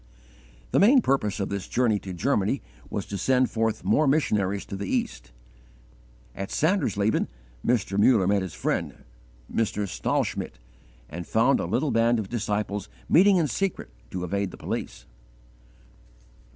The main purpose of this journey to Germany was to send forth more missionaries to the East. At Sandersleben Mr. Muller met his friend, Mr. Stahlschmidt, and found a little band of disciples meeting in secret to evade the police.